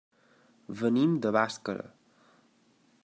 Venim de Bàscara.